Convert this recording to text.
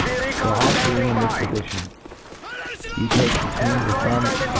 The hawk being in this pofition,.you take be tween the thumb and.